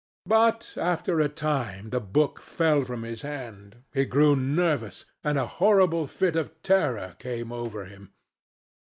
But after a time the book fell from his hand. He grew nervous, and a horrible fit of terror came over him.